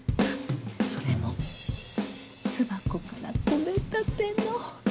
それも巣箱から取れたての。